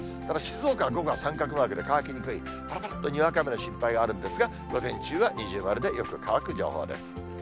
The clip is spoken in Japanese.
ただ静岡は午後は三角マークで乾きにくい、ぱらっとにわか雨の心配があるんですが、午前中は二重丸でよく乾く予想です。